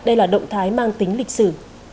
đây là động thái mang tính lịch sử